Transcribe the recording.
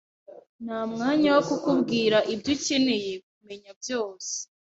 Nta mwanya wo kukubwira ibyo ukeneye kumenya byose.